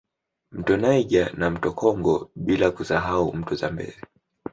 Mto Niger na mto Congo bila kusahau mto Zambezi